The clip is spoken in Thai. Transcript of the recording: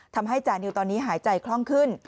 ทำให้จานิวตอนนี้หายใจคล่องขึ้น